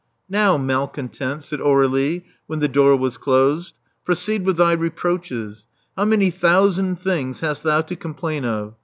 Now, malcontent, said Aur^lie, when the door was closed, proceed with thy reproaches. How many thousand things hast thou to complain of?